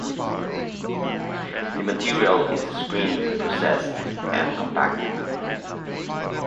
The material is screened, processed and compacted.